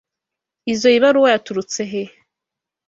Izoi baruwa yaturutse he?